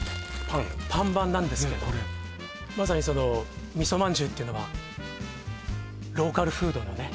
ねえこれパン版なんですけどまさにその味噌まんじゅうっていうのはローカルフードのね